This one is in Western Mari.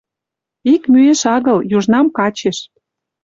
Ик мӱэш агыл, южнам качеш